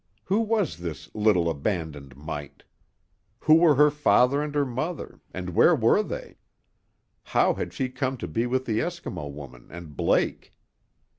Who was this little abandoned mite? Who were her father and her mother, and where were they? How had she come to be with the Eskimo woman and Blake?